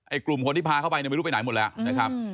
กลุ่มคนที่พาเข้าไปเนี่ยไม่รู้ไปไหนหมดแล้วนะครับ